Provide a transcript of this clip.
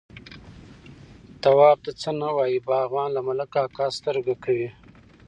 _تواب ته څه نه وايي، باغوان، له ملک کاکا سترګه کوي.